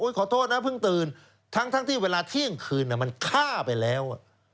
ขอโทษนะเพิ่งตื่นทั้งที่เวลาเที่ยงคืนมันฆ่าไปแล้ว